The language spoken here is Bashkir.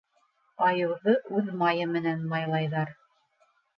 Айыуҙы үҙ майы менән майлайҙар.